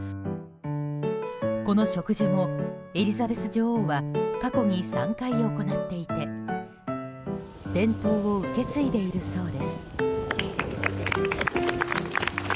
この植樹もエリザベス女王は過去に３回行っていて伝統を受け継いでいるそうです。